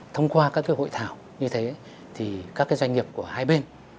thông qua các hội thảo như thế thì các doanh nghiệp của hai bên